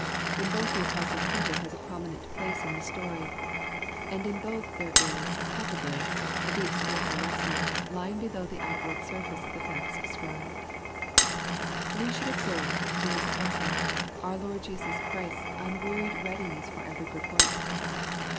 In both the Apostle Peter has a prominent place in the story. And in both there is, probably, a deep spiritual lesson, lying below the out ward surface of the facts described. We should observe, in this passage, our Lord Jeaua Christ's unwearied readiness for every good toork.